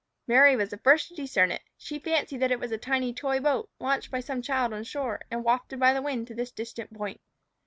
Mary was the first to discern it. She fancied that it was a tiny toy boat, launched by some child on shore, and wafted by the wind to this distant point.